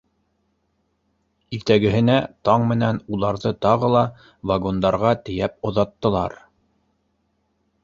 Иртәгеһенә таң менән уларҙы тағы ла вагондарға тейәп оҙаттылар.